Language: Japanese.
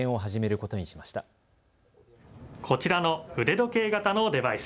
こちらの腕時計型のデバイス。